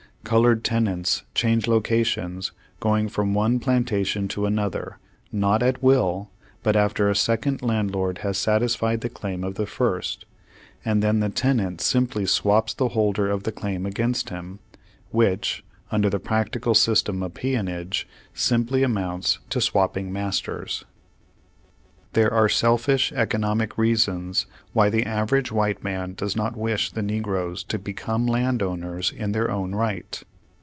Colored tenants change locations, going from one ''plantation" to another, not at will, but after a second landlord has satisfied the claim of the first, and then the tenant simply swaps the holder of the claim against him, which, Page Two Hundred two Page Two Hundred three under the practical system of peonage, simply am.oLints to swapping masters. There are selfish economic reasons why the average white man does not wish the negroes to become land owners in their own right.